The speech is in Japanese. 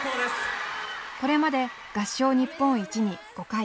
これまで合唱日本一に５回。